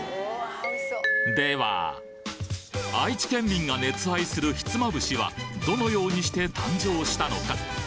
では、愛知県民が熱愛するひつまぶしは、どのようにして誕生したのか。